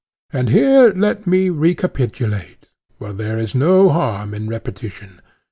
And here let me recapitulate—for there is no harm in repetition.